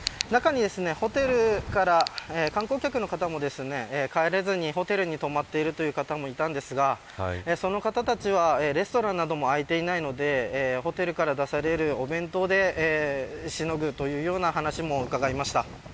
ホテルから観光客の方も帰れずにホテルに泊まっている方もいたんですがその方たちはレストランなども開いていないのでホテルから出されるお弁当でしのぐというような話も伺いました。